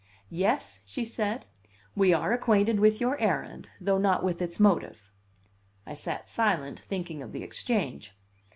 "Yes," she said, "we are acquainted with your errand, though not with its motive." I sat silent, thinking of the Exchange.